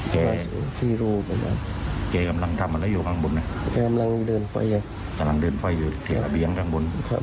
มันตีเสร็จมันแทงเสร็จมันทำให้เลยครับ